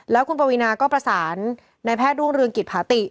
แล้วคุณปวีนาก็ประสานในแพทย์รุ่งเรืองกิจผาติ